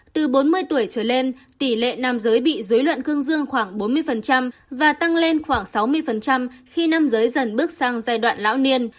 từ bốn mươi tuổi trở lên tỷ lệ nam giới bị dối loạn cương dương khoảng bốn mươi và tăng lên khoảng sáu mươi khi nam giới dần bước sang giai đoạn lão niên